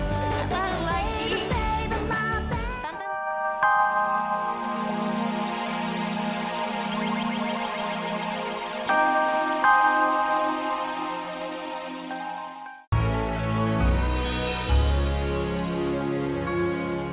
tenteng aku lagi